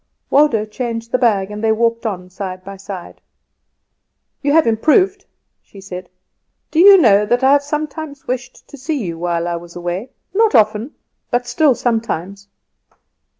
Waldo changed the bag, and they walked on side by side. "You have improved," she said. "Do you know that I have sometimes wished to see you while I was away; not often, but still sometimes."